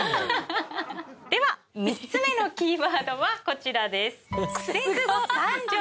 では３つ目のキーワードはこちらです。